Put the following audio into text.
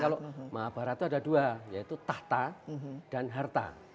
kalau mahabarata ada dua yaitu tahta dan harta